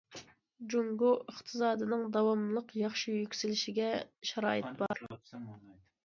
جۇڭگو ئىقتىسادىنىڭ داۋاملىق ياخشى يۈكسىلىشىگە شارائىت بار.